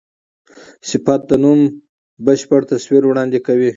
صفت د نوم بشپړ تصویر وړاندي کوي.